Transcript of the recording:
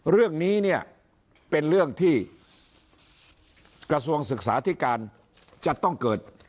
เรื่องนี้เนี่ยเป็นเรื่องที่กระทรวงศึกษาธิการจะต้องเกิด